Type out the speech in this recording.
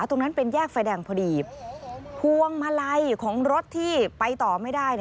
ตรงนั้นเป็นแยกไฟแดงพอดีพวงมาลัยของรถที่ไปต่อไม่ได้